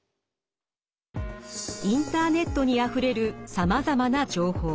インターネットにあふれるさまざまな情報。